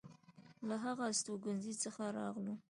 له هغه استوګنځي څخه راغلو.